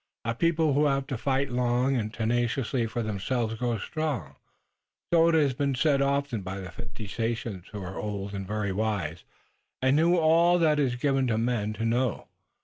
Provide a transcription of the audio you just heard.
A people who have had to fight long and tenaciously for themselves grows strong. So it has been said often by the fifty sachems who are old and very wise, and who know all that it is given to men to know.